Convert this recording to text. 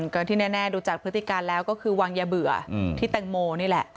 ก็ที่แน่ดูจากพฤติการแล้วก็คือวางยาเบื่อที่แตงโมนี่แหละ